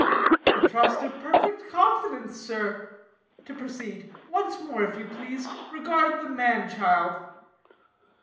"The trust of perfect confidence, sir. To proceed. Once more, if you please, regard the man child."